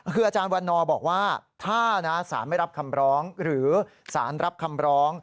คืออาจารย์วันนอบอกว่าถ้าสารไม่รับคำร้องหรือสารรับคำร้อง